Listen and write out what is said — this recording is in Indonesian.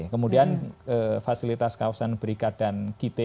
kemudian fasilitas kawasan berikat dan kit